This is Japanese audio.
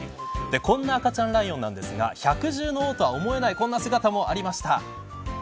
こんな赤ちゃんライオンですが百獣の王とは思えないこんな姿もありました。